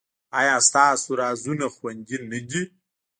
ایا ستاسو رازونه خوندي نه دي؟